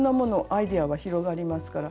アイデアは広がりますから。